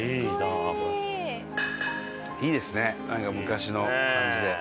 いいですねなんか昔の感じで。